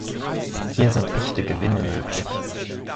Hier sind echte Gewinne möglich.